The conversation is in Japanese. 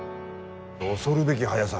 恐るべき速さ。